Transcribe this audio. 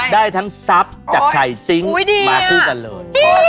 ได้ทั้งทรัพย์จากไข่ซิงค์มาคู่กันเลย